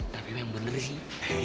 tapi memang bener sih